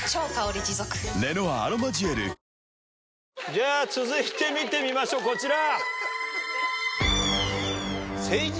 じゃ続いて見てみましょうこちら。